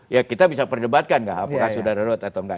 ya kita bisa perdebatkan nggak apakah sudah darurat atau enggak